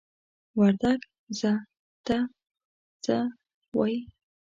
وردگ "ځه" ته "څَ" وايي.